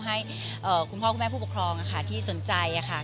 ให้คุณพ่อคุณแม่ผู้ปกครองที่สนใจค่ะ